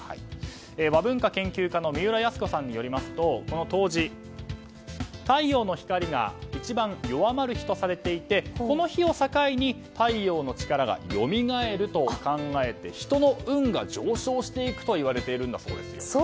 和文化研究家の三浦康子さんによりますとこの冬至太陽の光が一番弱まる日とされていてこの日を境に太陽の力がよみがえると考えて人の運が上昇していくといわれているそうです。